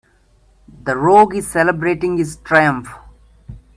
The rogue is celebrating his triumph.